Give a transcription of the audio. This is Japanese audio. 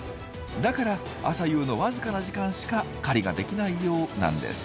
だから朝夕の僅かな時間しか狩りができないようなんですよ。